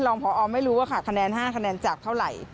พอไม่รู้ว่าค่ะคะแนน๕คะแนนจากเท่าไหร่